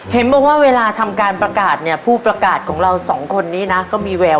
เห็นปะว่าเวลาทำการประกาศเนี่ย